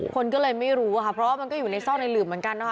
คนก็เลยไม่รู้อะค่ะเพราะว่ามันก็อยู่ในซอกในหลืมเหมือนกันนะคะ